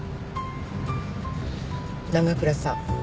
長倉さん。